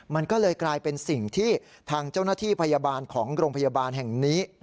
มันก็เลยกลายเป็นสิ่งที่ทางเจ้าหน้าที่พยาบาลของโรงพยาบาลแห่งนี้